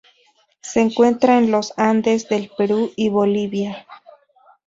Se encuentra en los Andes del Perú y Bolivia.